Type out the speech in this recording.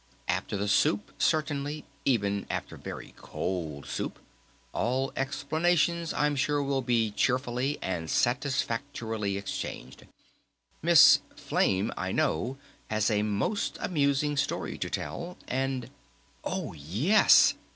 After the soup certainly, even after very cold soup, all explanations I'm sure will be cheerfully and satisfactorily exchanged. Miss Flame I know has a most amusing story to tell and " "Oh, yes!"